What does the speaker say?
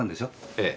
ええ。